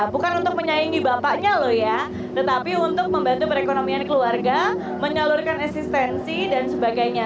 bukan untuk menyaingi bapaknya loh ya tetapi untuk membantu perekonomian keluarga menyalurkan eksistensi dan sebagainya